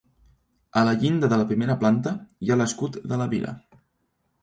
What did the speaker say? A la llinda de la primera planta hi ha l'escut de la vila.